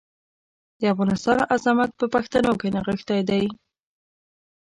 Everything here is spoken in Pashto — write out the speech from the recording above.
د افغانستان عظمت په پښتنو کې نغښتی دی.